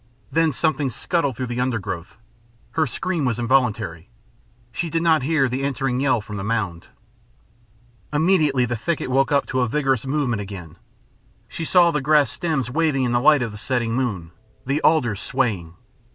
Then something scuttled through the undergrowth. Her scream was involuntary. She did not hear the answering yell from the mound. Immediately the thicket woke up to vigorous movement again. She saw the grass stems waving in the light of the setting moon, the alders swaying.